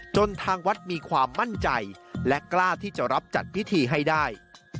ทางวัดมีความมั่นใจและกล้าที่จะรับจัดพิธีให้ได้